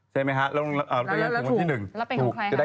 ใช่ไหมคะแล้วลูตตรีที่ถูกลูตตรีที่ถูกแล้วจะได้๑๐